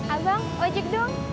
abang ojek dong